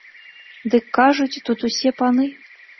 Дык кажуць, тут усе паны.